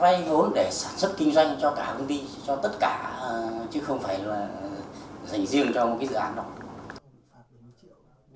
vay vốn để sản xuất kinh doanh cho cả công ty cho tất cả chứ không phải là dành riêng cho một cái dự án đó